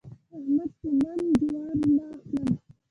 احمد په من جوارو نه اخلم.